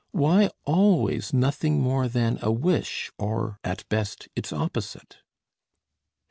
Why always nothing more than a wish, or at best, its opposite?"